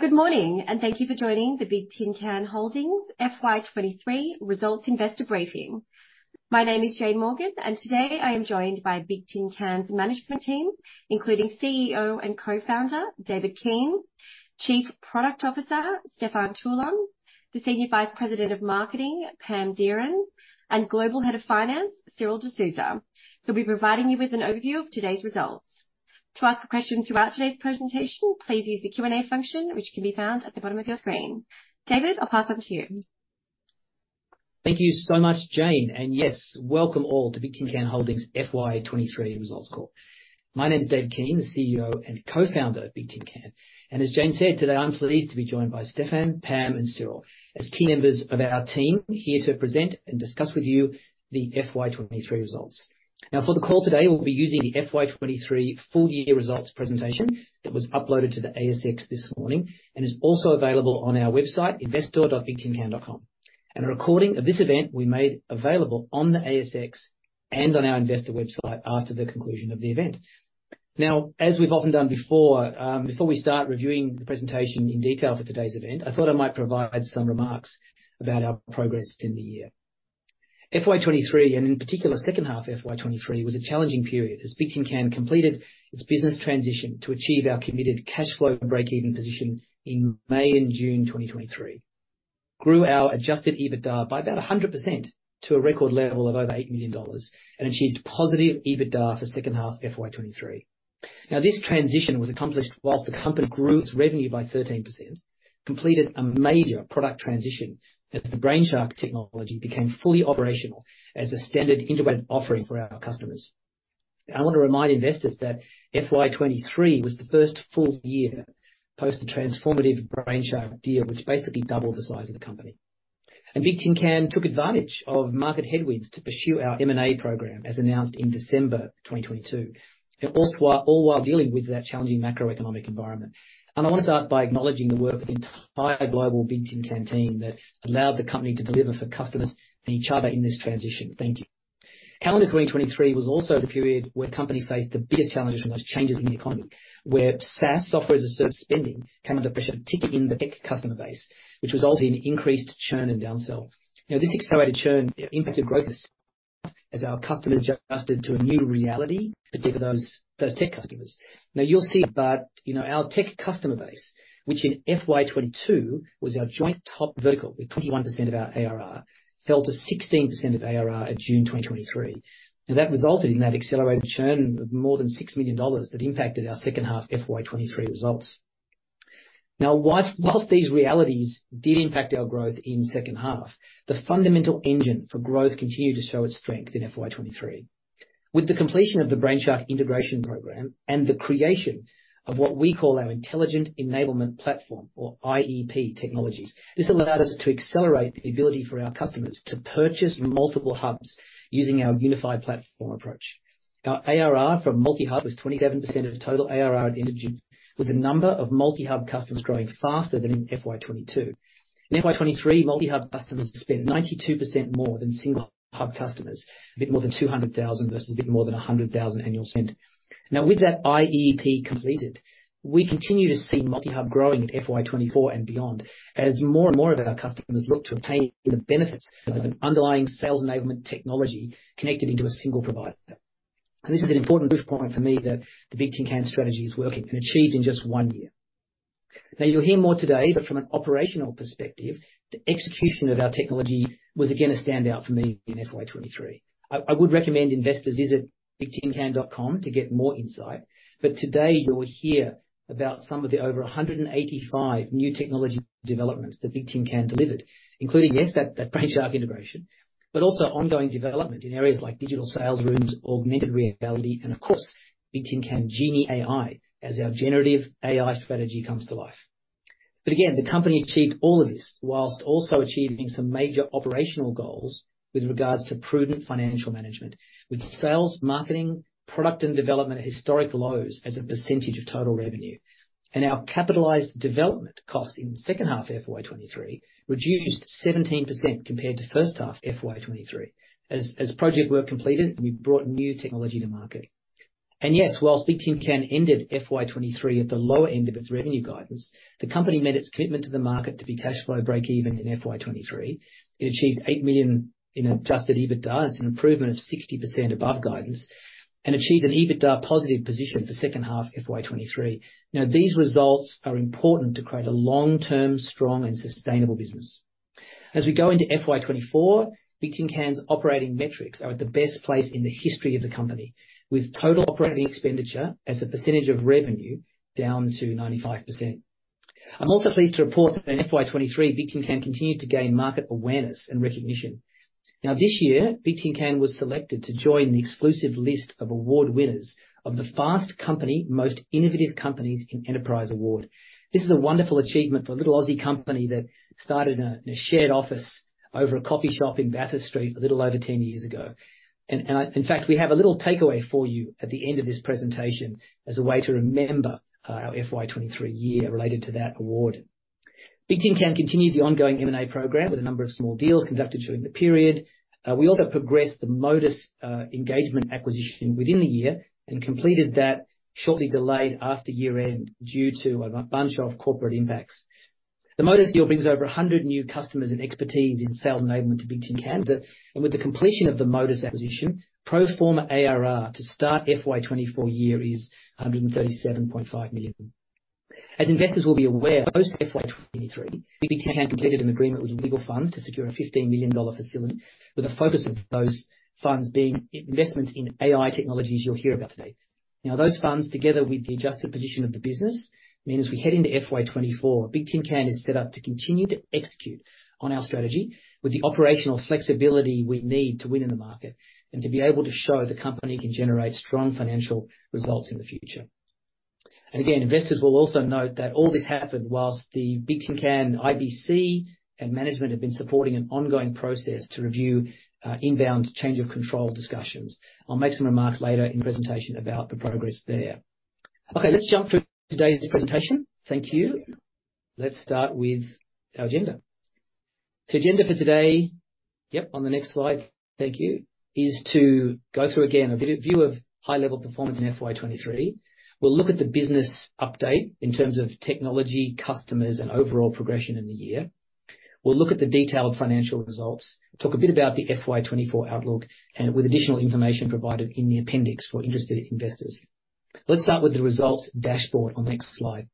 Well, good morning, and thank you for joining the Bigtincan Holdings FY23 Results Investor Briefing. My name is Jane Morgan, and today I am joined by Bigtincan's management team, including CEO and Co-founder, David Keane; Chief Product Officer, Stefan Teulon; the Senior Vice President of Marketing, Pam Dearen; and Global Head of Finance, Cyril Desouza, who'll be providing you with an overview of today's results. To ask a question throughout today's presentation, please use the Q&A function, which can be found at the bottom of your screen. David, I'll pass on to you. Thank you so much, Jane, and yes, welcome all to Bigtincan Holdings FY 2023 results call. My name is Dave Keane, the CEO and co-founder of Bigtincan, and as Jane said, today, I'm pleased to be joined by Stefan, Pam, and Cyril, as key members of our team here to present and discuss with you the FY 2023 results. Now, for the call today, we'll be using the FY 2023 full results presentation that was uploaded to the ASX this morning and is also available on our website, investor.bigtincan.com. A recording of this event we made available on the ASX and on our investor website after the conclusion of the event. Now, as we've often done before, before we start reviewing the presentation in detail for today's event, I thought I might provide some remarks about our progress in the year. FY 2023, and in particular, second half of FY 2023, was a challenging period, as Bigtincan completed its business transition to achieve our committed cash flow breakeven position in May and June 2023. Grew our adjusted EBITDA by about 100% to a record level of over $8 million and achieved positive EBITDA for second half FY 2023. Now, this transition was accomplished while the company grew its revenue by 13%, completed a major product transition as the Brainshark technology became fully operational as a standard integrated offering for our customers. I want to remind investors that FY 2023 was the first full year post the transformative Brainshark deal, which basically doubled the size of the company. Bigtincan took advantage of market headwinds to pursue our M&A program as announced in December 2022, and also while, all while dealing with that challenging macroeconomic environment. I want to start by acknowledging the work of the entire global Bigtincan team that allowed the company to deliver for customers and each other in this transition. Thank you. Calendar 2023 was also the period where companies faced the biggest challenges from those changes in the economy, where SaaS, Software as a Service, spending came under pressure, particularly in the tech customer base, which resulted in increased churn and downsell. Now, this accelerated churn impacted growth as our customers adjusted to a new reality, particularly those tech customers. Now, you'll see that, our tech customer base, which in FY 2022 was our joint top vertical, with 21% of our ARR, fell to 16% of ARR in June 2023. Now, that resulted in that accelerated churn of more than $6 million that impacted our second half FY 2023 results. Now, whilst these realities did impact our growth in second half, the fundamental engine for growth continued to show its strength in FY 2023. With the completion of the Brainshark integration program and the creation of what we call our Intelligent Enablement Platform or IEP technologies, this allowed us to accelerate the ability for our customers to purchase multiple hubs using our unified platform approach. Our ARR from multi-hub was 27% of total ARR at the end of June, with the number of multi-hub customers growing faster than in FY 2022. In FY 2023, multi-hub customers spent 92% more than single-hub customers, a bit more than $200,000 versus a bit more than $100,000 annual spend. Now, with that IEP completed, we continue to see multi-hub growing at FY 2024 and beyond, as more and more of our customers look to obtain the benefits of an underlying sales enablement technology connected into a single provider. This is an important proof point for me that the Bigtincan strategy is working and achieved in just one year. Now, you'll hear more today, but from an operational perspective, the execution of our technology was again a standout for me in FY 2023. I would recommend investors visit bigtincan.com to get more insight, but today you'll hear about some of the over 185 new technology developments that Bigtincan delivered, including, yes, that Brainshark integration, but also ongoing development in areas like digital sales rooms, augmented reality, and of course, Bigtincan Genie AI, as our generative AI strategy comes to life. But again, the company achieved all of this while also achieving some major operational goals with regards to prudent financial management, with sales, marketing, product, and development at historic lows as a percentage of total revenue. Our capitalized development costs in the second half of FY 2023 reduced 17% compared to first half FY 2023. As project work completed, we brought new technology to market. Yes, while Bigtincan ended FY 2023 at the lower end of its revenue guidance, the company met its commitment to the market to be cash flow breakeven in FY 2023. It achieved 8 million in adjusted EBITDA, that's an improvement of 60% above guidance, and achieved an EBITDA positive position for second half FY 2023. Now, these results are important to create a long-term, strong, and sustainable business. As we go into FY 2024, Bigtincan's operating metrics are at the best place in the history of the company, with total operating expenditure as a percentage of revenue down to 95%. I'm also pleased to report that in FY 2023, Bigtincan continued to gain market awareness and recognition. Now, this year, Bigtincan was selected to join the exclusive list of award winners of the Fast Company Most Innovative Companies in Enterprise Award. This is a wonderful achievement for a little Aussie company that started in a shared office over a coffee shop in Bathurst Street a little over 10 years ago. And, in fact, we have a little takeaway for you at the end of this presentation as a way to remember our FY 2023 year related to that award. Bigtincan continued the ongoing M&A program with a number of small deals conducted during the period. We also progressed the Modus Engagement acquisition within the year and completed that shortly delayed after year-end due to a bunch of corporate impacts. The Modus deal brings over 100 new customers and expertise in sales enablement to Bigtincan. But, and with the completion of the Modus acquisition, pro forma ARR to start FY 2024 is $137.5 million. As investors will be aware, post FY 2023, Bigtincan completed an agreement with Regal Funds to secure a $15 million facility, with a focus of those funds being investments in AI technologies you'll hear about today. Now, those funds, together with the adjusted position of the business, means we head into FY 2024, Bigtincan is set up to continue to execute on our strategy with the operational flexibility we need to win in the market, and to be able to show the company can generate strong financial results in the future. And again, investors will also note that all this happened whilst the Bigtincan IBC and management have been supporting an ongoing process to review inbound change of control discussions. I'll make some remarks later in presentation about the progress there. Okay, let's jump through today's presentation. Thank you. Let's start with our agenda. The agenda for today... Yep, on the next slide, thank you, is to go through again a view of high-level performance in FY 2023. We'll look at the business update in terms of technology, customers, and overall progression in the year. We'll look at the detailed financial results, talk a bit about the FY 2024 outlook, and with additional information provided in the appendix for interested investors. Let's start with the results dashboard on the next slide.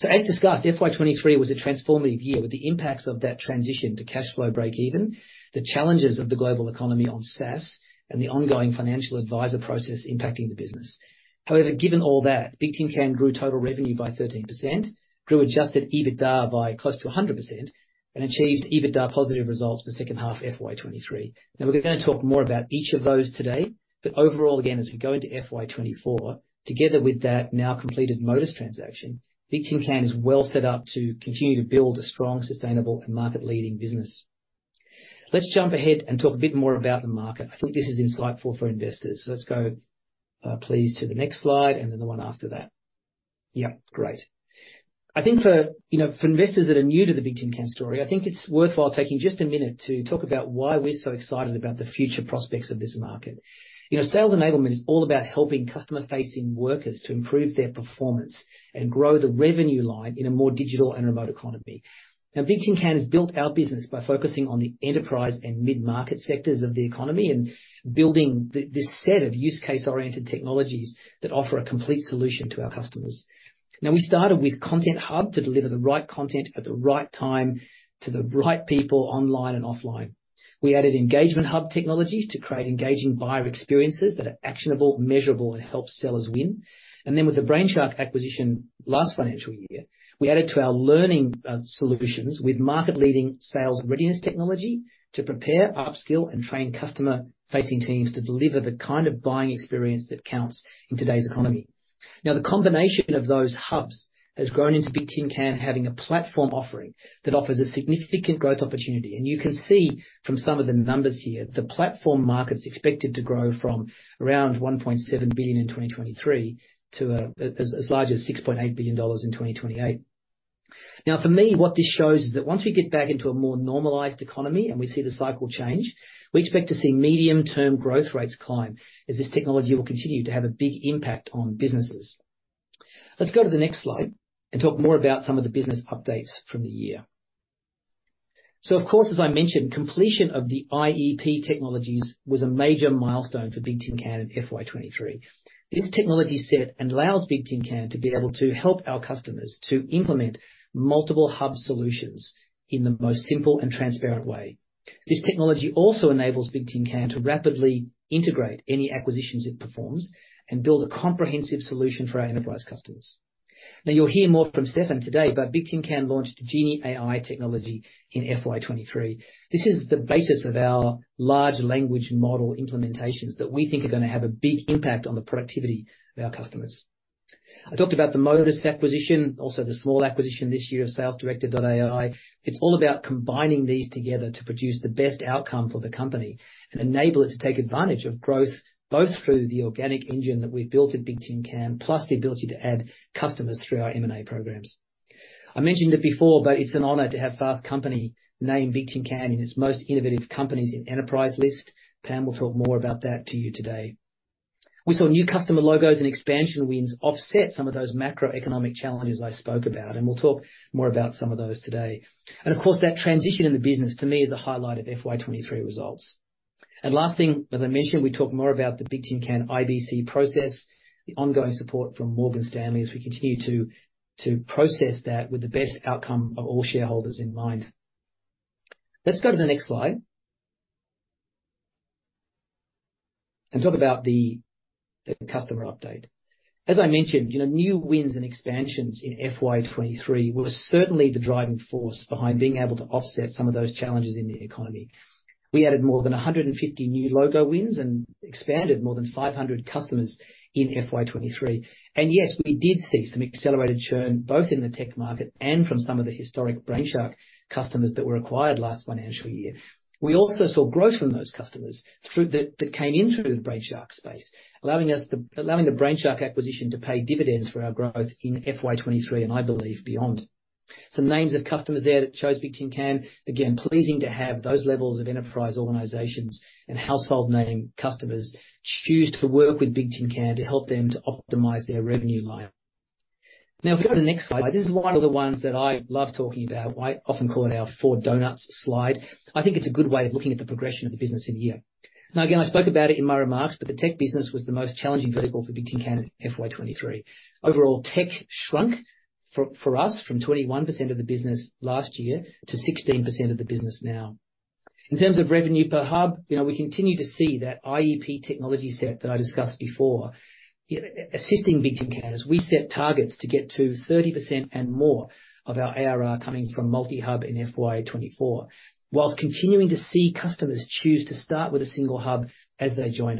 So as discussed, FY 2023 was a transformative year with the impacts of that transition to cash flow breakeven, the challenges of the global economy on SaaS, and the ongoing financial advisor process impacting the business. However, given all that, Bigtincan grew total revenue by 13%, grew adjusted EBITDA by close to 100%, and achieved EBITDA positive results for second half FY 2023. Now, we're going to talk more about each of those today, but overall, again, as we go into FY 2024, together with that now completed Modus transaction, Bigtincan is well set up to continue to build a strong, sustainable, and market-leading business. Let's jump ahead and talk a bit more about the market. I think this is in slide 4 for investors. Let's go, please, to the next slide, and then the one after that. Yep. Great. I think for, for investors that are new to the Bigtincan story, I think it's worthwhile taking just a minute to talk about why we're so excited about the future prospects of this market. Sales enablement is all about helping customer-facing workers to improve their performance and grow the revenue line in a more digital and remote economy. Now, Bigtincan has built our business by focusing on the enterprise and mid-market sectors of the economy, and building this set of use case-oriented technologies that offer a complete solution to our customers. Now, we started with Content Hub to deliver the right content at the right time to the right people, online and offline. We added Engagement Hub technologies to create engaging buyer experiences that are actionable, measurable, and help sellers win. And then with the Brainshark acquisition last financial year, we added to our learning solutions with market-leading sales readiness technology to prepare, upskill, and train customer-facing teams to deliver the kind of buying experience that counts in today's economy. Now, the combination of those hubs has grown into Bigtincan having a platform offering that offers a significant growth opportunity. And you can see from some of the numbers here, the platform market's expected to grow from around $1.7 billion in 2023 to as large as $6.8 billion in 2028. Now, for me, what this shows is that once we get back into a more normalized economy and we see the cycle change, we expect to see medium-term growth rates climb, as this technology will continue to have a big impact on businesses. Let's go to the next slide and talk more about some of the business updates from the year. So of course, as I mentioned, completion of the IEP technologies was a major milestone for Bigtincan in FY 2023. This technology set allows Bigtincan to be able to help our customers to implement multiple hub solutions in the most simple and transparent way. This technology also enables Bigtincan to rapidly integrate any acquisitions it performs and build a comprehensive solution for our enterprise customers. Now, you'll hear more from Stefan today, but Bigtincan launched Genie AI technology in FY 23. This is the basis of our large language model implementations that we think are going to have a big impact on the productivity of our customers. I talked about the Modus acquisition, also the small acquisition this year of SalesDirector.ai. It's all about combining these together to produce the best outcome for the company and enable it to take advantage of growth, both through the organic engine that we've built at Bigtincan, plus the ability to add customers through our M&A programs. I mentioned it before, but it's an honor to have Fast Company name Bigtincan in its most innovative companies in enterprise list. Pam will talk more about that to you today. We saw new customer logos and expansion wins offset some of those macroeconomic challenges I spoke about, and we'll talk more about some of those today. Of course, that transition in the business, to me, is a highlight of FY23 results. Last thing, as I mentioned, we talk more about the Bigtincan IBC process, the ongoing support from Morgan Stanley, as we continue to process that with the best outcome of all shareholders in mind. Let's go to the next slide... And talk about the customer update. As I mentioned, new wins and expansions in FY23 were certainly the driving force behind being able to offset some of those challenges in the economy. We added more than 150 new logo wins and expanded more than 500 customers in FY23. Yes, we did see some accelerated churn, both in the tech market and from some of the historic Brainshark customers that were acquired last financial year. We also saw growth from those customers that came in through the Brainshark space, allowing the Brainshark acquisition to pay dividends for our growth in FY 2023, and I believe beyond. Some names of customers there that chose Bigtincan. Again, pleasing to have those levels of enterprise organizations and household name customers choose to work with Bigtincan to help them to optimize their revenue line. Now, if you go to the next slide, this is one of the ones that I love talking about. I often call it our four donuts slide. I think it's a good way of looking at the progression of the business in here. Now, again, I spoke about it in my remarks, but the tech business was the most challenging vertical for Bigtincan in FY 2023. Overall, tech shrunk for us from 21% of the business last year to 16% of the business now. In terms of revenue per hub, we continue to see that IEP technology set that I discussed before, assisting Bigtincan as we set targets to get to 30% and more of our ARR coming from multi-hub in FY 2024, whilst continuing to see customers choose to start with a single hub as they join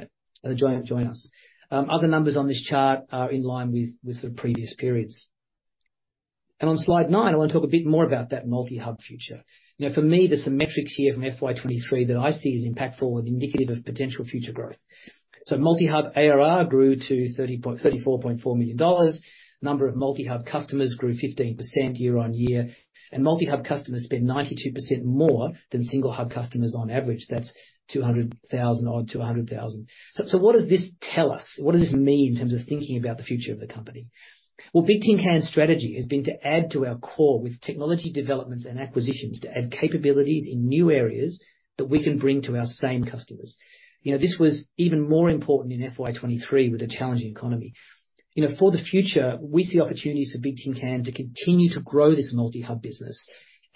us. Other numbers on this chart are in line with the previous periods. And on slide nine, I want to talk a bit more about that multi-hub future. For me, there's some metrics here from FY 2023 that I see as impactful and indicative of potential future growth. So multi-hub ARR grew to $34.4 million. Number of multi-hub customers grew 15% year-on-year, and multi-hub customers spent 92% more than single-hub customers on average. That's $200,000 odd to $100,000. So, so what does this tell us? What does this mean in terms of thinking about the future of the company? Well, Bigtincan's strategy has been to add to our core with technology developments and acquisitions, to add capabilities in new areas that we can bring to our same customers. This was even more important in FY 2023 with a challenging economy. For the future, we see opportunities for Bigtincan to continue to grow this multi-hub business.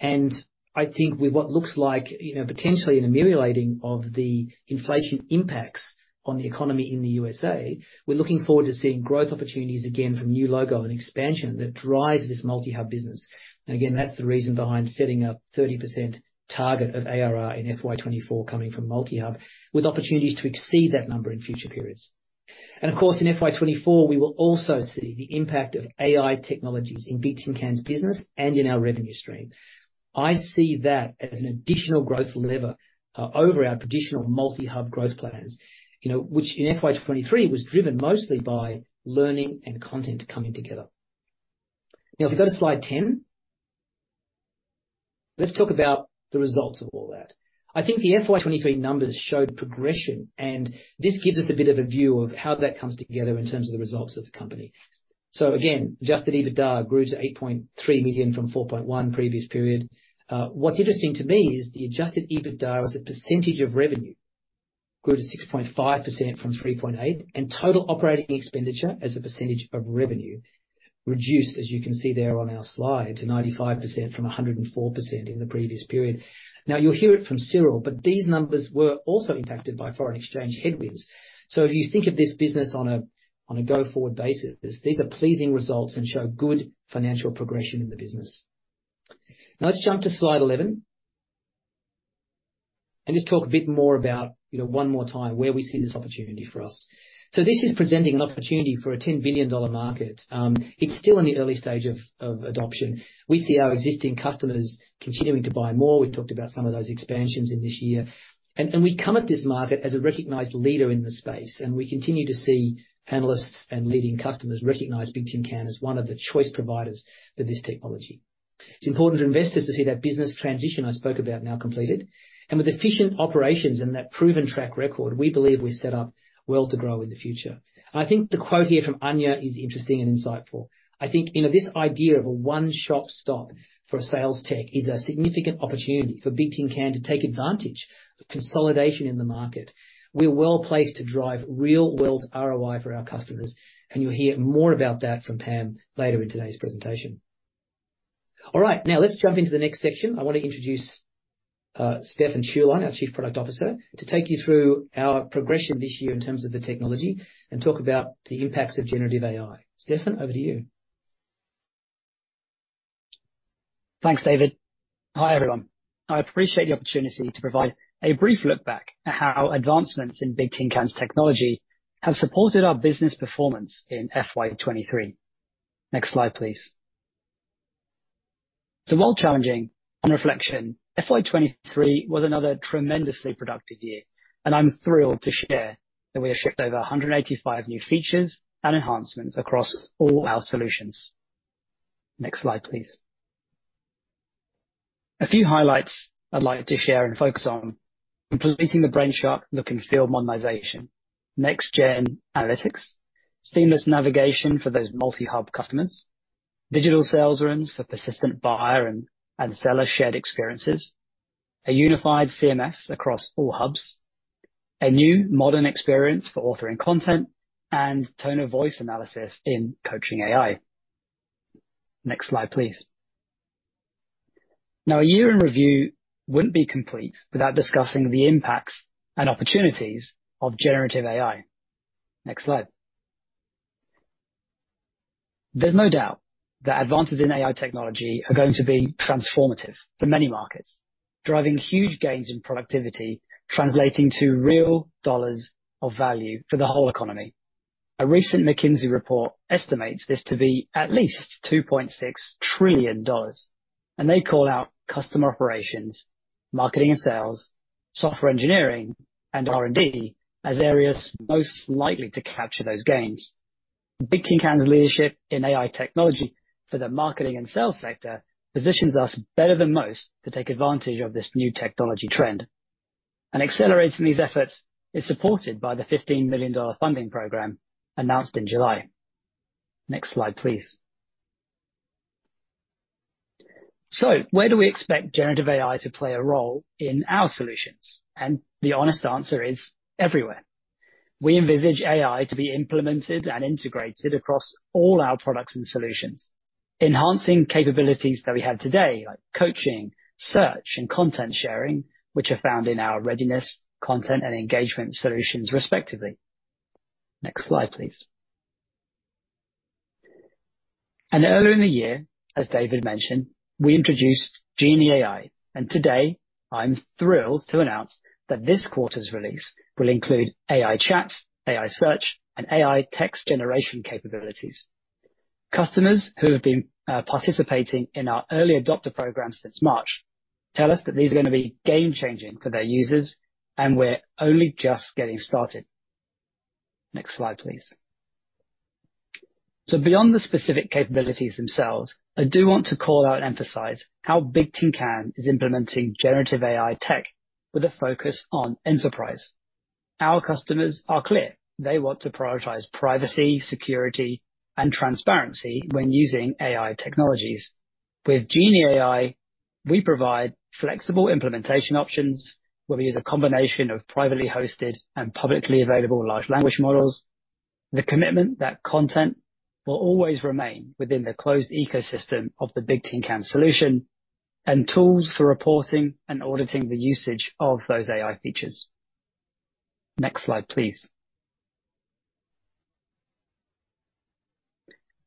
I think with what looks like, potentially an ameliorating of the inflation impacts on the economy in the USA, we're looking forward to seeing growth opportunities again from new logo and expansion that drives this Multi-hub business. And again, that's the reason behind setting a 30% target of ARR in FY 2024 coming from Multi-hub, with opportunities to exceed that number in future periods. And of course, in FY 2024, we will also see the impact of AI technologies in Bigtincan's business and in our revenue stream. I see that as an additional growth lever over our traditional Multi-hub growth plans, which in FY 2023 was driven mostly by learning and content coming together. Now, if you go to slide 10, let's talk about the results of all that. I think the FY 2023 numbers show progression, and this gives us a bit of a view of how that comes together in terms of the results of the company. So again, adjusted EBITDA grew to $8.3 million from $4.1 million previous period. What's interesting to me is the adjusted EBITDA, as a percentage of revenue, grew to 6.5% from 3.8%, and total operating expenditure as a percentage of revenue reduced, as you can see there on our slide, to 95% from 104% in the previous period. Now, you'll hear it from Cyril, but these numbers were also impacted by foreign exchange headwinds. So if you think of this business on a, on a go-forward basis, these are pleasing results and show good financial progression in the business. Now, let's jump to slide 11, and just talk a bit more about, one more time, where we see this opportunity for us. So this is presenting an opportunity for a $10 billion market. It's still in the early stage of adoption. We see our existing customers continuing to buy more. We've talked about some of those expansions in this year. And we come at this market as a recognized leader in the space, and we continue to see analysts and leading customers recognize Bigtincan as one of the choice providers for this technology. It's important for investors to see that business transition I spoke about now completed. And with efficient operations and that proven track record, we believe we're set up well to grow in the future. I think the quote here from Anya is interesting and insightful. I think, this idea of a one-stop shop for sales tech is a significant opportunity for Bigtincan to take advantage of consolidation in the market. We're well placed to drive real-world ROI for our customers, and you'll hear more about that from Pam later in today's presentation. All right, now let's jump into the next section. I want to introduce Stefan Teulon, our Chief Product Officer, to take you through our progression this year in terms of the technology and talk about the impacts of generative AI. Stefan, over to you. Thanks, David. Hi, everyone. I appreciate the opportunity to provide a brief look back at how advancements in Bigtincan's technology have supported our business performance in FY 2023. Next slide, please. So while challenging, on reflection, FY 2023 was another tremendously productive year, and I'm thrilled to share that we have shipped over 185 new features and enhancements across all our solutions. Next slide, please. A few highlights I'd like to share and focus on: completing the Brainshark look and feel modernization, next gen analytics, seamless navigation for those multi-hub customers, digital sales rooms for persistent buyer and seller shared experiences, a unified CMS across all hubs, a new modern experience for authoring content, and tone of voice analysis in coaching AI. Next slide, please. Now, a year in review wouldn't be complete without discussing the impacts and opportunities of generative AI. Next slide. There's no doubt that advances in AI technology are going to be transformative for many markets, driving huge gains in productivity, translating to real dollars of value for the whole economy. A recent McKinsey report estimates this to be at least $2.6 trillion, and they call out customer operations, marketing and sales, software engineering, and R&D as areas most likely to capture those gains. Bigtincan's leadership in AI technology for the marketing and sales sector positions us better than most to take advantage of this new technology trend, and accelerating these efforts is supported by the $15 million funding program announced in July. Next slide, please. So where do we expect generative AI to play a role in our solutions? And the honest answer is everywhere. We envisage AI to be implemented and integrated across all our products and solutions, enhancing capabilities that we have today, like coaching, search, and content sharing, which are found in our readiness, content, and engagement solutions, respectively. Next slide, please. Earlier in the year, as David mentioned, we introduced Genie AI, and today, I'm thrilled to announce that this 's release will include AI chat, AI search, and AI text generation capabilities. Customers who have been participating in our early adopter program since March tell us that these are gonna be game-changing for their users, and we're only just getting started. Next slide, please. Beyond the specific capabilities themselves, I do want to call out and emphasize how Bigtincan is implementing generative AI tech with a focus on enterprise. Our customers are clear: they want to prioritize privacy, security, and transparency when using AI technologies. With Genie AI, we provide flexible implementation options, where we use a combination of privately hosted and publicly available large language models. The commitment that content will always remain within the closed ecosystem of the Bigtincan solution, and tools for reporting and auditing the usage of those AI features. Next slide, please.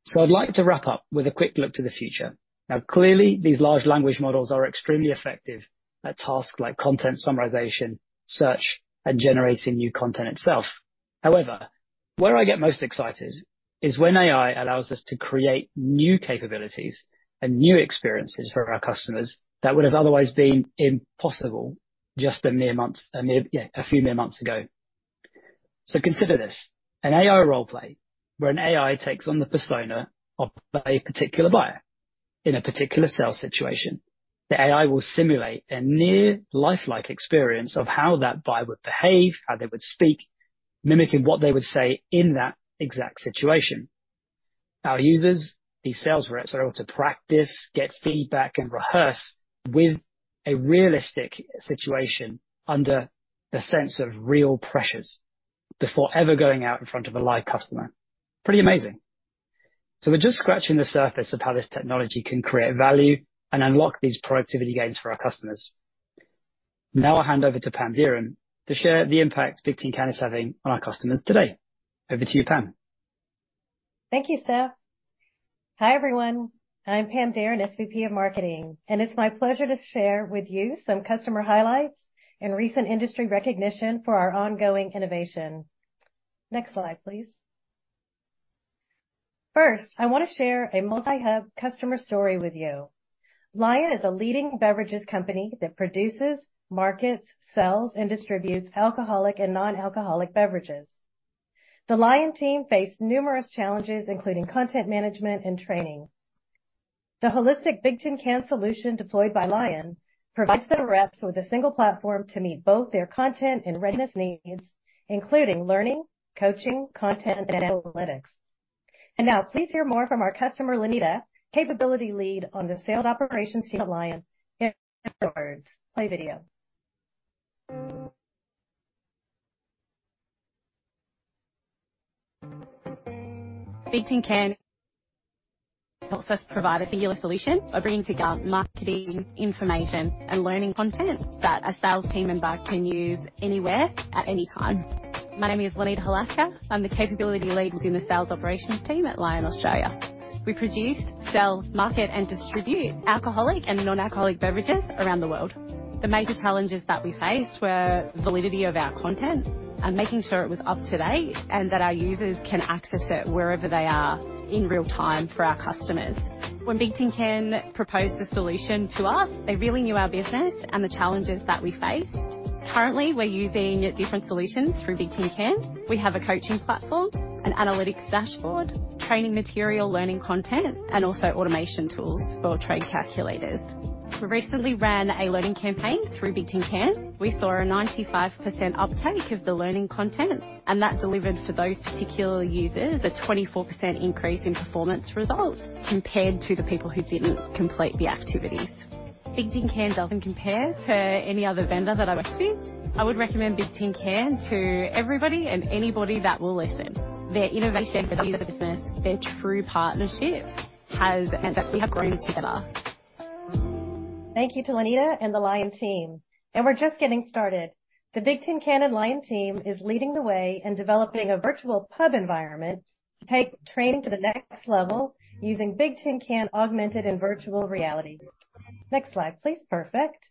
So I'd like to wrap up with a quick look to the future. Now, clearly, these large language models are extremely effective at tasks like content summarization, search, and generating new content itself. However, where I get most excited is when AI allows us to create new capabilities and new experiences for our customers that would have otherwise been impossible just a few mere months ago. So consider this, an AI role play, where an AI takes on the persona of a particular buyer in a particular sales situation. The AI will simulate a near lifelike experience of how that buyer would behave, how they would speak, mimicking what they would say in that exact situation. Our users, these sales reps, are able to practice, get feedback, and rehearse with a realistic situation under the sense of real pressures before ever going out in front of a live customer. Pretty amazing! So we're just scratching the surface of how this technology can create value and unlock these productivity gains for our customers. Now I'll hand over to Pam Dearen to share the impact Bigtincan is having on our customers today. Over to you, Pam. Thank you, Stef. Hi, everyone, I'm Pam Dearen, SVP of Marketing, and it's my pleasure to share with you some customer highlights and recent industry recognition for our ongoing innovation. Next slide, please. First, I want to share a multi-hub customer story with you. Lion is a leading beverages company that produces, markets, sells, and distributes alcoholic and non-alcoholic beverages. The Lion team faced numerous challenges, including content management and training. The holistic Bigtincan solution deployed by Lion provides their reps with a single platform to meet both their content and readiness needs, including learning, coaching, content, and analytics. And now please hear more from our customer, Lanita, Capability Lead on the sales operations team at Lion. Play video. Bigtincan helps us provide a singular solution by bringing together marketing, information, and learning content that a sales team member can use anywhere at any time. My name is Lanita Halaska. I'm the Capability Lead within the sales operations team at Lion Australia. We produce, sell, market, and distribute alcoholic and non-alcoholic beverages around the world. The major challenges that we faced were validity of our content and making sure it was up to date, and that our users can access it wherever they are in real time for our customers. When Bigtincan proposed a solution to us, they really knew our business and the challenges that we faced. Currently, we're using different solutions through Bigtincan. We have a coaching platform, an analytics dashboard, training material, learning content, and also automation tools for trade calculators. We recently ran a learning campaign through Bigtincan. We saw a 95% uptake of the learning content, and that delivered, for those particular users, a 24% increase in performance results compared to the people who didn't complete the activities. Bigtincan doesn't compare to any other vendor that I've worked with. I would recommend Bigtincan to everybody and anybody that will listen. Their innovation for the business, their true partnership, has meant that we have grown together. Thank you to Lanita and the Lion team, and we're just getting started. The Bigtincan and Lion team is leading the way in developing a virtual pub environment to take training to the next level using Bigtincan Augmented and Virtual Reality. Next slide, please. Perfect.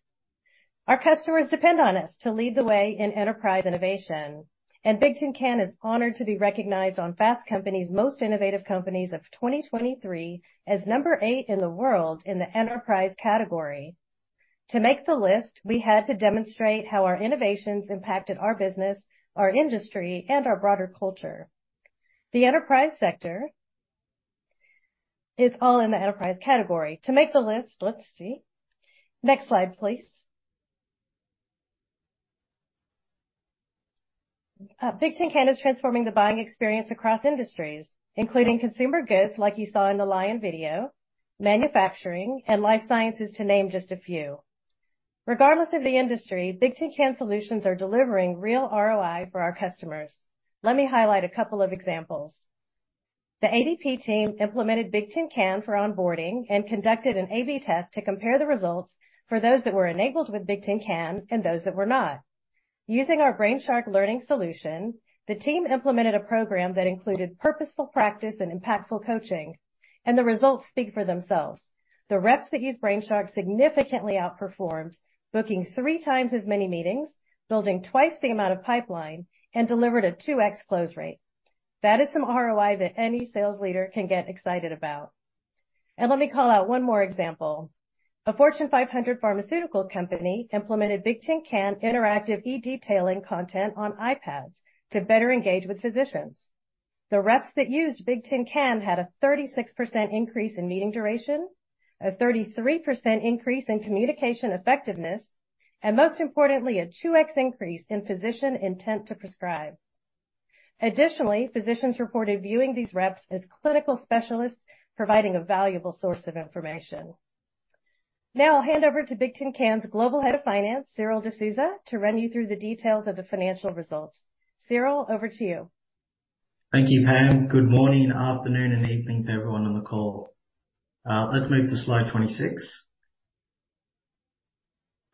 Our customers depend on us to lead the way in enterprise innovation, and Bigtincan is honored to be recognized on Fast Company's Most Innovative Companies of 2023 as number 8 in the world in the enterprise category. To make the list, we had to demonstrate how our innovations impacted our business, our industry, and our broader culture. The enterprise sector is all in the enterprise category. To make the list, let's see. Next slide, please. Bigtincan is transforming the buying experience across industries, including consumer goods, like you saw in the Lion video, manufacturing, and life sciences, to name just a few. Regardless of the industry, Bigtincan solutions are delivering real ROI for our customers. Let me highlight a couple of examples. The ADP team implemented Bigtincan for onboarding and conducted an A/B test to compare the results for those that were enabled with Bigtincan and those that were not. Using our Brainshark learning solution, the team implemented a program that included purposeful practice and impactful coaching, and the results speak for themselves. The reps that used Brainshark significantly outperformed, booking 3 times as many meetings, building twice the amount of pipeline, and delivered a 2x close rate. That is some ROI that any sales leader can get excited about. And let me call out one more example. A Fortune 500 pharmaceutical company implemented Bigtincan interactive e-detailing content on iPads to better engage with physicians. The reps that used Bigtincan had a 36% increase in meeting duration, a 33% increase in communication effectiveness, and most importantly, a 2x increase in physician intent to prescribe. Additionally, physicians reported viewing these reps as clinical specialists, providing a valuable source of information. Now I'll hand over to Bigtincan's Global Head of Finance, Cyril Desouza, to run you through the details of the financial results. Cyril, over to you. Thank you, Pam. Good morning, afternoon, and evening to everyone on the call. Let's move to slide 26.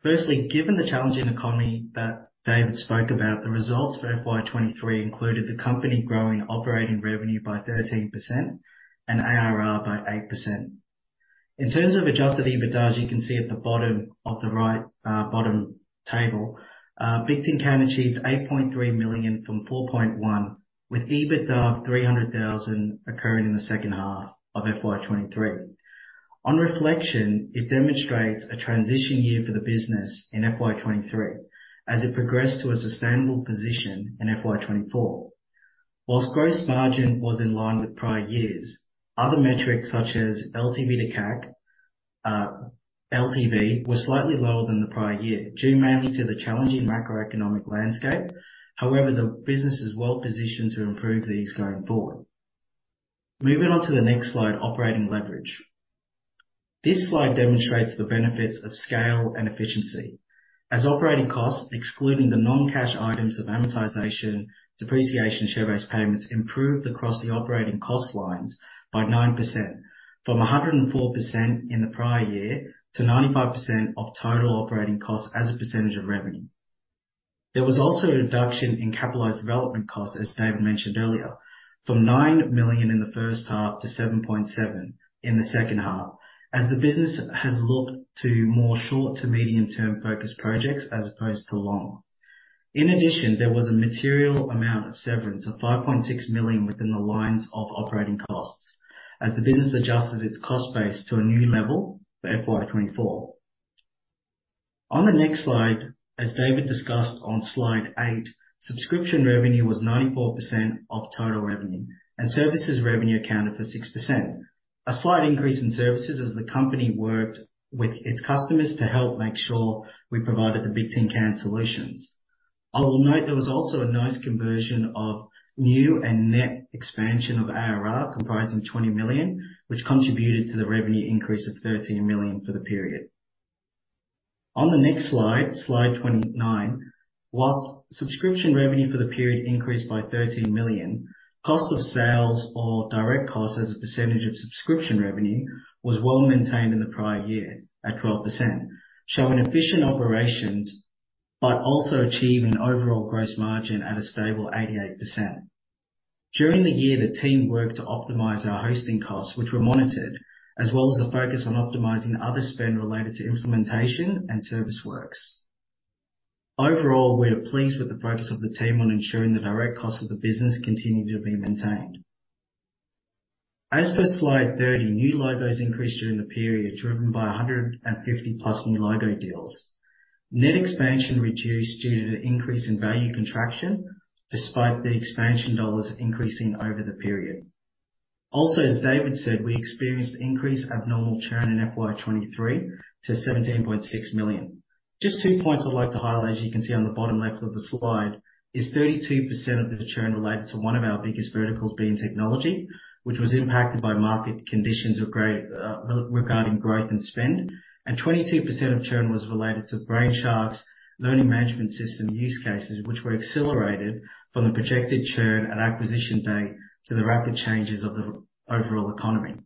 Firstly, given the challenging economy that David spoke about, the results for FY 2023 included the company growing operating revenue by 13% and ARR by 8%. In terms of adjusted EBITDA, as you can see at the bottom of the right bottom table, Bigtincan achieved $8.3 million from $4.1 million, with EBITDA of $300,000 occurring in the second half of FY 2023. On reflection, it demonstrates a transition year for the business in FY 2023 as it progressed to a sustainable position in FY 2024. While gross margin was in line with prior years, other metrics such as LTV to CAC, LTV was slightly lower than the prior year, due mainly to the challenging macroeconomic landscape. However, the business is well positioned to improve these going forward. Moving on to the next slide, operating leverage. This slide demonstrates the benefits of scale and efficiency as operating costs, excluding the non-cash items of amortization, depreciation, share-based payments, improved across the operating cost lines by 9%, from 104% in the prior year to 95% of total operating costs as a percentage of revenue. There was also a reduction in capitalized development costs, as David mentioned earlier, from 9 million in the first half to 7.7 million in the second half, as the business has looked to more short to medium term focused projects as opposed to long. In addition, there was a material amount of severance of 5.6 million within the lines of operating costs as the business adjusted its cost base to a new level for FY 2024. On the next slide, as David discussed on slide 8, subscription revenue was 94% of total revenue, and services revenue accounted for 6%. A slight increase in services as the company worked with its customers to help make sure we provided the Bigtincan solutions. I will note there was also a nice conversion of new and net expansion of ARR, comprising 20 million, which contributed to the revenue increase of 13 million for the period. On the next slide, slide 29. While subscription revenue for the period increased by 13 million, cost of sales or direct costs as a percentage of subscription revenue was well maintained in the prior year at 12%, showing efficient operations but also achieving overall gross margin at a stable 88%. During the year, the team worked to optimize our hosting costs, which were monitored, as well as a focus on optimizing other spend related to implementation and service works. Overall, we are pleased with the focus of the team on ensuring the direct costs of the business continue to be maintained. As per slide 30, new logos increased during the period, driven by 150+ new logo deals. Net expansion reduced due to an increase in value contraction, despite the expansion dollars increasing over the period. Also, as David said, we experienced increased abnormal churn in FY23 to $17.6 million. Just two points I'd like to highlight, as you can see on the bottom left of the slide, is 32% of the churn related to one of our biggest verticals being technology, which was impacted by market conditions of growth, regarding growth and spend. Twenty-two percent of churn was related to Brainshark's learning management system use cases, which were accelerated from the projected churn at acquisition day to the rapid changes of the overall economy.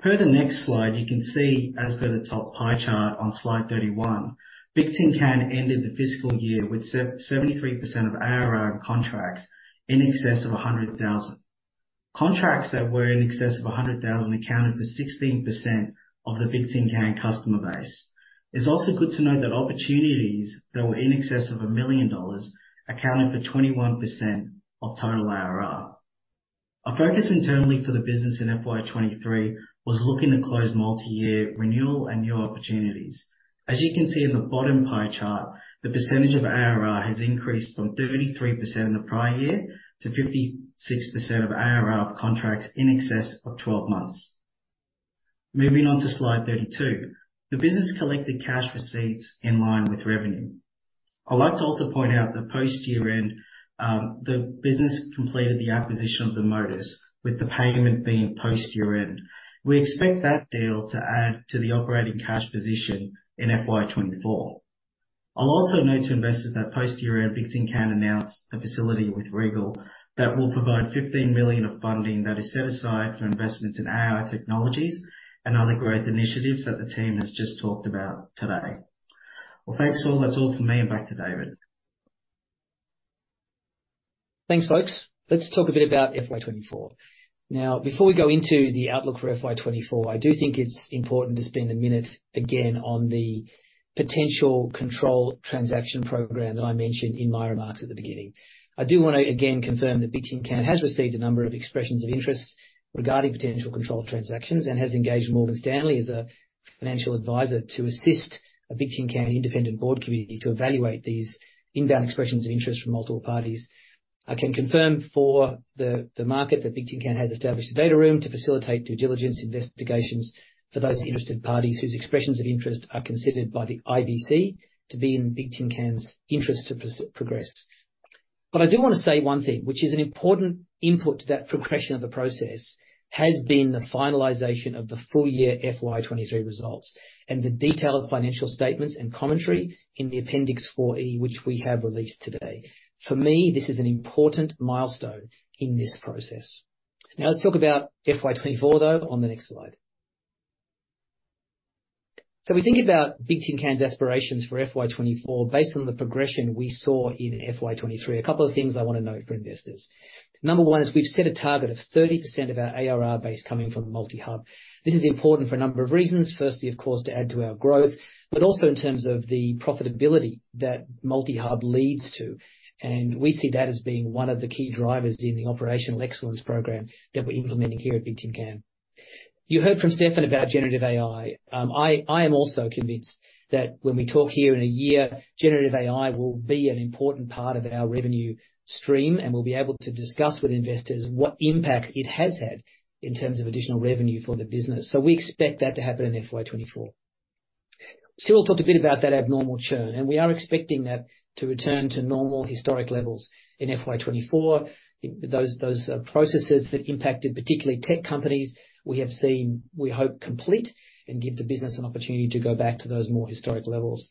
Per the next slide, you can see as per the top pie chart on slide 31, Bigtincan ended the fiscal year with seventy-three percent of ARR contracts in excess of a hundred thousand. Contracts that were in excess of a hundred thousand accounted for 16% of the Bigtincan customer base. It's also good to note that opportunities that were in excess of $1 million accounted for 21% of total ARR. Our focus internally for the business in FY 2023 was looking to close multi-year renewal and new opportunities. As you can see in the bottom pie chart, the percentage of ARR has increased from 33% in the prior year to 56% of ARR contracts in excess of 12 months. Moving on to slide 32. The business collected cash receipts in line with revenue. I'd like to also point out that post year-end, the business completed the acquisition of Modus, with the payment being post year-end. We expect that deal to add to the operating cash position in FY 2024. I'll also note to investors that post year-end, Bigtincan announced a facility with Regal that will provide $15 million of funding that is set aside for investments in AI technologies and other growth initiatives that the team has just talked about today. Well, thanks, all. That's all for me. Back to David. Thanks, folks. Let's talk a bit about FY 2024. Now, before we go into the outlook for FY 2024, I do think it's important to spend a minute again on the potential control transaction program that I mentioned in my remarks at the beginning. I do want to again confirm that Bigtincan has received a number of expressions of interest regarding potential controlled transactions and has engaged Morgan Stanley as a financial advisor to assist a Bigtincan independent board committee to evaluate these inbound expressions of interest from multiple parties. I can confirm for the market that Bigtincan has established a data room to facilitate due diligence investigations for those interested parties whose expressions of interest are considered by the IBC to be in Bigtincan's interest to progress. But I do want to say one thing, which is an important input to that progression of the process, has been the finalization of the full year FY 2023 results and the detailed financial statements and commentary in the Appendix 4E, which we have released today. For me, this is an important milestone in this process. Now, let's talk about FY 2024, though, on the next slide. So we think about Bigtincan's aspirations for FY 2024, based on the progression we saw in FY 2023. A couple of things I want to note for investors. Number one is we've set a target of 30% of our ARR base coming from multi-hub. This is important for a number of reasons. Firstly, of course, to add to our growth, but also in terms of the profitability that multi-hub leads to. We see that as being one of the key drivers in the operational excellence program that we're implementing here at Bigtincan. You heard from Stefan about generative AI. I, I am also convinced that when we talk here in a year, generative AI will be an important part of our revenue stream, and we'll be able to discuss with investors what impact it has had in terms of additional revenue for the business. We expect that to happen in FY 2024. Cyril talked a bit about that abnormal churn, and we are expecting that to return to normal historic levels in FY 2024. Those processes that impacted, particularly tech companies, we have seen, we hope, complete, and give the business an opportunity to go back to those more historic levels.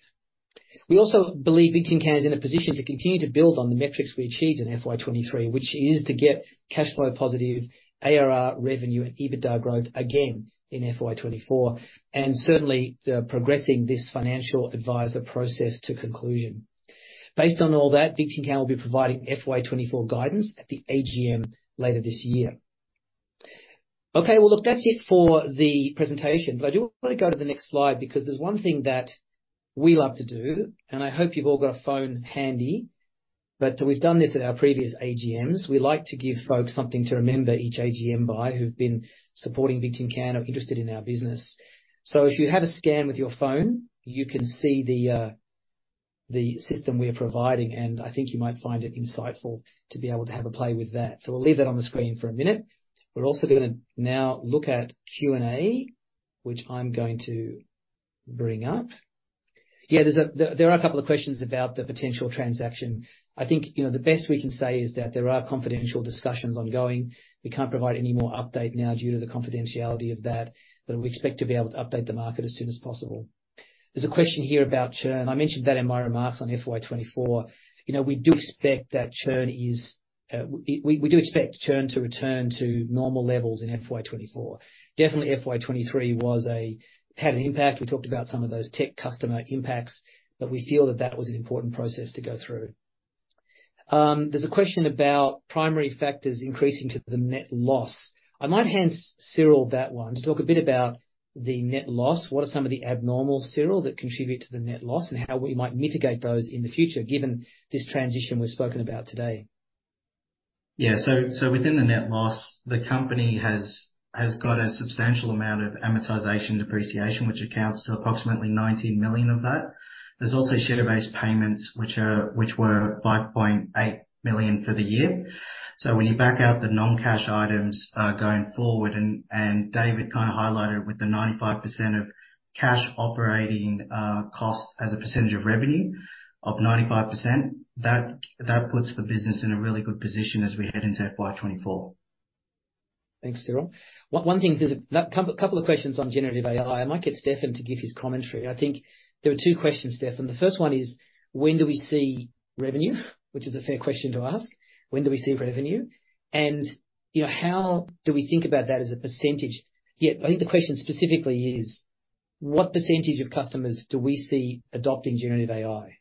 We also believe Bigtincan is in a position to continue to build on the metrics we achieved in FY 2023, which is to get cash flow positive, ARR revenue and EBITDA growth again in FY 2024, and certainly, progressing this financial advisor process to conclusion. Based on all that, Bigtincan will be providing FY 2024 guidance at the AGM later this year. Okay, well, look, that's it for the presentation, but I do want to go to the next slide because there's one thing that we love to do, and I hope you've all got a phone handy, but we've done this at our previous AGMs. We like to give folks something to remember each AGM by, who've been supporting Bigtincan or interested in our business. So if you have a scan with your phone, you can see the system we are providing, and I think you might find it insightful to be able to have a play with that. So we'll leave that on the screen for a minute. We're also going to now look at Q&A, which I'm going to bring up. Yeah, there are a couple of questions about the potential transaction. I think, the best we can say is that there are confidential discussions ongoing. We can't provide any more update now due to the confidentiality of that, but we expect to be able to update the market as soon as possible. There's a question here about churn. I mentioned that in my remarks on FY 2024. We do expect that churn is... We do expect churn to return to normal levels in FY 2024. Definitely, FY 2023 had an impact. We talked about some of those tech customer impacts, but we feel that that was an important process to go through. There's a question about primary factors increasing to the net loss. I might hand Cyril that one, to talk a bit about the net loss. What are some of the abnormals, Cyril, that contribute to the net loss, and how we might mitigate those in the future, given this transition we've spoken about today? Yeah. So within the net loss, the company has got a substantial amount of amortization depreciation, which accounts to approximately 90 million of that. There's also share-based payments, which were 5.8 million for the year. So when you back out the non-cash items going forward, and David kind of highlighted it with the 95% of cash operating costs as a percentage of revenue of 95%, that puts the business in a really good position as we head into FY 2024. Thanks, Cyril. One thing, there's a couple of questions on generative AI. I might get Stefan to give his commentary. I think there are two questions, Stefan. The first one is: when do we see revenue? Which is a fair question to ask. When do we see revenue, and, how do we think about that as a percentage? Yeah, I think the question specifically is, what percentage of customers do we see adopting generative AI?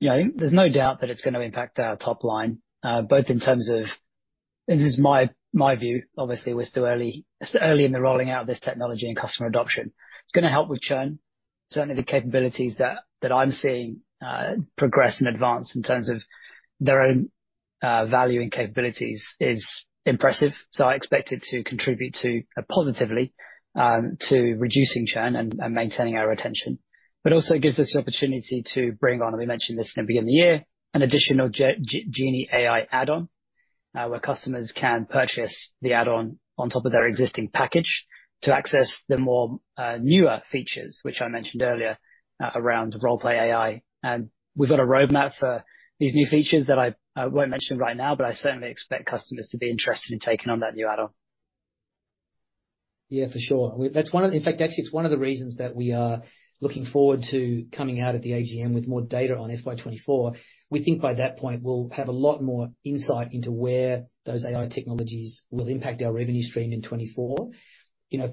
Yeah, I think there's no doubt that it's going to impact our top line, both in terms of this. This is my view. Obviously, we're still early in the rolling out of this technology and customer adoption. It's going to help with churn. Certainly, the capabilities that I'm seeing progress and advance in terms of their own value and capabilities is impressive. So I expect it to contribute positively to reducing churn and maintaining our retention. But also gives us the opportunity to bring on, and we mentioned this at the beginning of the year, an additional Genie AI add-on, where customers can purchase the add-on on top of their existing package to access the more newer features, which I mentioned earlier around role-play AI. We've got a roadmap for these new features that I won't mention right now, but I certainly expect customers to be interested in taking on that new add-on. Yeah, for sure. That's one of the... In fact, actually, it's one of the reasons that we are looking forward to coming out at the AGM with more data on FY 2024. We think by that point, we'll have a lot more insight into where those AI technologies will impact our revenue stream in 2024.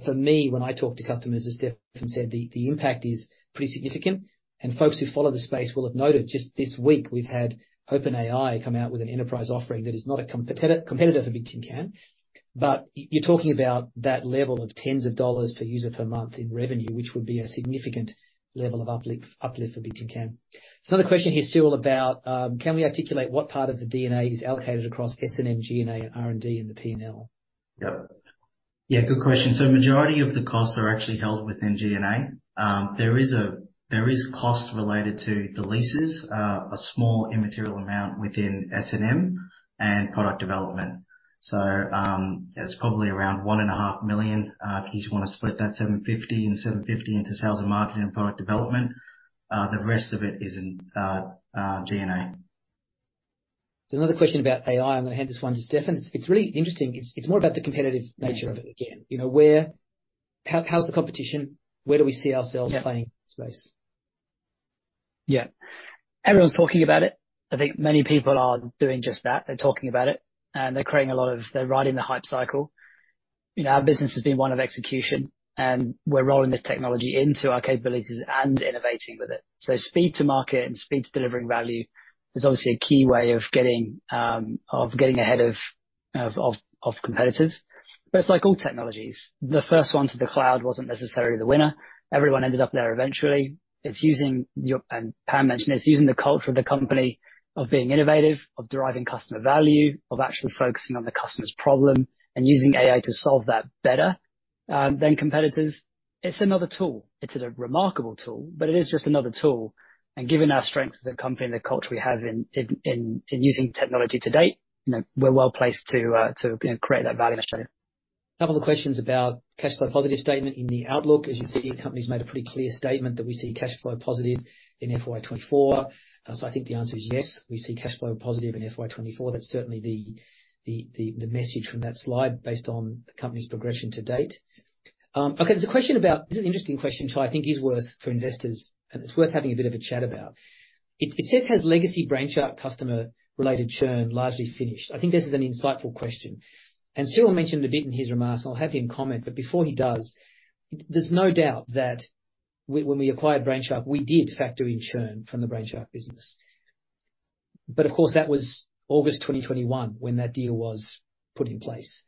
For me, when I talk to customers, as Stefan said, the impact is pretty significant. And folks who follow the space will have noted, just this week, we've had OpenAI come out with an enterprise offering that is not a competitor for Bigtincan, but you're talking about that level of tens of dollars per user per month in revenue, which would be a significant level of uplift for Bigtincan. Another question here, Stuart, about can we articulate what part of the D&A is allocated across S&M, G&A, and R&D in the P&L? Yep. Yeah, good question. So majority of the costs are actually held within G&A. There is costs related to the leases, a small immaterial amount within S&M and product development. So, it's probably around 1.5 million. If you just want to split that 750 and 750 into sales and marketing and product development. The rest of it is in G&A. There's another question about AI. I'm going to hand this one to Stefan. It's really interesting. It's more about the competitive nature of it again. You know, where, how's the competition? Where do we see ourselves- Yeah. playing in space? Yeah. Everyone's talking about it. I think many people are doing just that. They're talking about it, and they're creating a lot of... They're riding the hype cycle. Our business has been one of execution, and we're rolling this technology into our capabilities and innovating with it. So speed to market and speed to delivering value is obviously a key way of getting ahead of competitors. But it's like all technologies. The first one to the cloud wasn't necessarily the winner. Everyone ended up there eventually. It's using your... And Pam mentioned this, using the culture of the company of being innovative, of deriving customer value, of actually focusing on the customer's problem, and using AI to solve that better than competitors. It's another tool. It's a remarkable tool, but it is just another tool, and given our strengths as a company and the culture we have in using technology to date, we're well placed to, create that value in Australia. A couple of questions about cash flow positive statement in the outlook. As you see, the company's made a pretty clear statement that we see cash flow positive in FY 2024. So I think the answer is yes, we see cash flow positive in FY 2024. That's certainly the message from that slide based on the company's progression to date. Okay, there's a question about... This is an interesting question, which I think is worth for investors, and it's worth having a bit of a chat about. It says, "Has legacy Brainshark customer-related churn largely finished?" I think this is an insightful question, and Stuart mentioned a bit in his remarks. I'll have him comment, but before he does, there's no doubt that when we acquired Brainshark, we did factor in churn from the Brainshark business. But of course, that was August 2021 when that deal was put in place.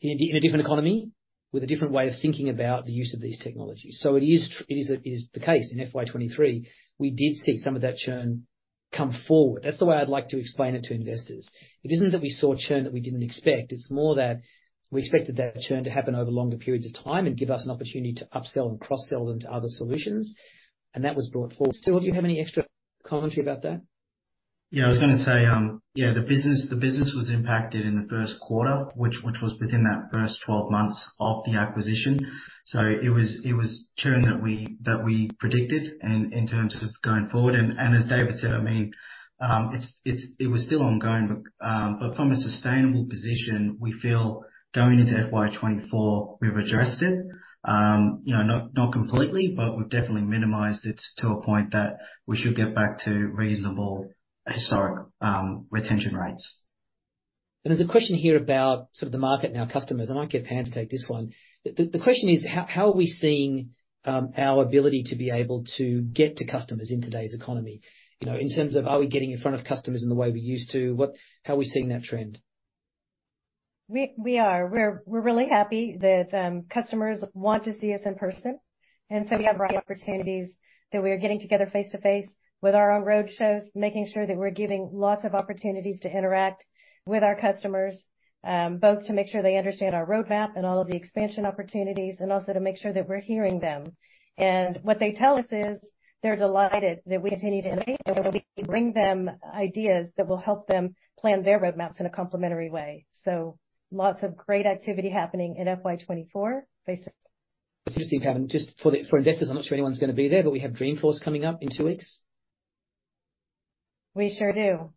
In a different economy, with a different way of thinking about the use of these technologies. So it is the case in FY 2023, we did see some of that churn come forward. That's the way I'd like to explain it to investors. It isn't that we saw churn that we didn't expect. It's more that we expected that churn to happen over longer periods of time and give us an opportunity to upsell and cross-sell them to other solutions, and that was brought forward. Stuart, do you have any extra commentary about that? Yeah, I was going to say, yeah, the business, the business was impacted in the first quarter, which was within that first 12 months of the acquisition. So it was churn that we predicted and in terms of going forward, and as David said, I mean, it was still ongoing. But, but from a sustainable position, we feel going into FY24, we've addressed it. Not completely, but we've definitely minimized it to a point that we should get back to reasonable historic retention rates. There's a question here about sort of the market and our customers. I might get Pam to take this one. The question is: How are we seeing our ability to be able to get to customers in today's economy? In terms of, are we getting in front of customers in the way we used to? How are we seeing that trend? We are. We're really happy that customers want to see us in person, and so we have opportunities that we are getting together face-to-face with our own roadshows, making sure that we're giving lots of opportunities to interact with our customers, both to make sure they understand our roadmap and all of the expansion opportunities, and also to make sure that we're hearing them. And what they tell us is, they're delighted that we continue to innovate, and we bring them ideas that will help them plan their roadmaps in a complementary way. So lots of great activity happening in FY 2024, basically. It's interesting, Pam, just for investors, I'm not sure anyone's going to be there, but we have Dreamforce coming up in two weeks? We sure do.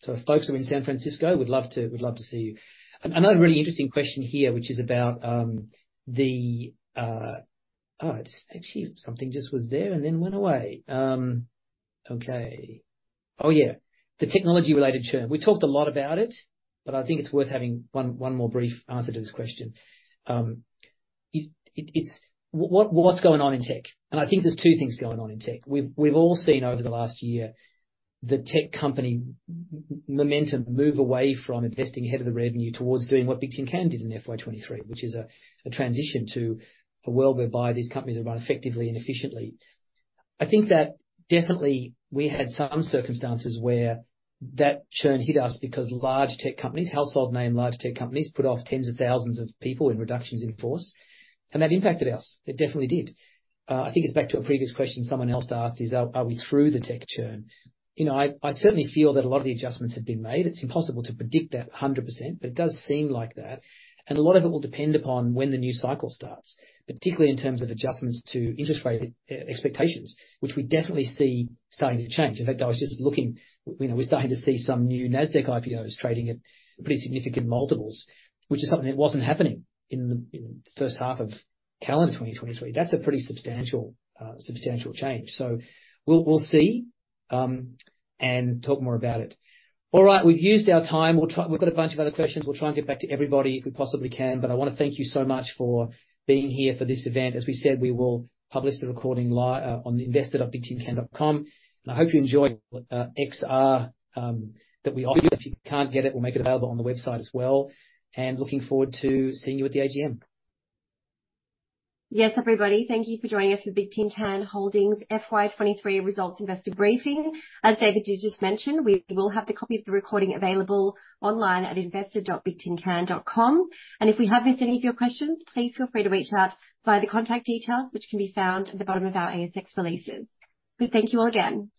So if folks are in San Francisco, we'd love to, we'd love to see you. Another really interesting question here, which is about the technology-related churn. We talked a lot about it, but I think it's worth having one more brief answer to this question. What's going on in tech? And I think there's two things going on in tech. We've all seen over the last year the tech company momentum move away from investing ahead of the revenue towards doing what Bigtincan did in FY 2023, which is a transition to a world whereby these companies are run effectively and efficiently. I think that definitely we had some circumstances where that churn hit us because large tech companies, household name large tech companies, put off tens of thousands of people in reductions in force, and that impacted us. It definitely did. I think it's back to a previous question someone else asked, is, are we through the tech churn? I certainly feel that a lot of the adjustments have been made. It's impossible to predict that 100%, but it does seem like that. And a lot of it will depend upon when the new cycle starts, particularly in terms of adjustments to interest rate expectations, which we definitely see starting to change. In fact, I was just looking, we're starting to see some new NASDAQ IPOs trading at pretty significant multiples, which is something that wasn't happening in, in the first half of calendar 2023. That's a pretty substantial change. So we'll, we'll see, and talk more about it. All right, we've used our time. We'll try. We've got a bunch of other questions. We'll try and get back to everybody if we possibly can, but I want to thank you so much for being here for this event. As we said, we will publish the recording live, on investor.bigtincan.com, and I hope you enjoy, XR, that we offered. If you can't get it, we'll make it available on the website as well, and looking forward to seeing you at the AGM. Yes, everybody. Thank you for joining us for Bigtincan Holdings FY 23 Results Investor Briefing. As David did just mention, we will have the copy of the recording available online at investor.bigtincan.com. If we have missed any of your questions, please feel free to reach out via the contact details, which can be found at the bottom of our ASX releases. We thank you all again.